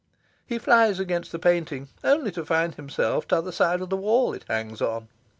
He flies against the painting, only to find himself t'other side of the wall it hangs on.